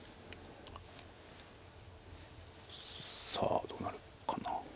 さあどうなるかな。